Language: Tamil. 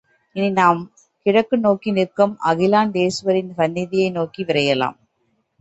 இனி நாம் கிழக்கு நோக்கி நிற்கும் அகிலாண்டேசுவரி சந்நிதியை நோக்கி விரையலாம்.